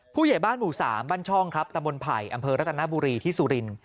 ผู้ใหญ่บ้านหมู่๓บ้านช่องครับตะบนไผ่อำเภอรัตนบุรีที่สุรินทร์